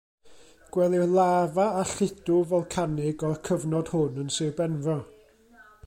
Gwelir lafa a lludw folcanig o'r cyfnod hwn yn Sir Benfro.